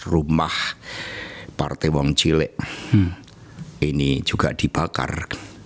rumah partai wong cilek ini juga dibakar